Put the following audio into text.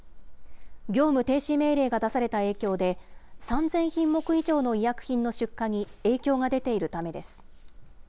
業務停止命令が出された影響で、３０００品目以上の医薬品の出荷に影響が出ているためです。